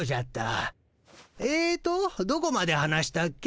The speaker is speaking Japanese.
えとどこまで話したっけ？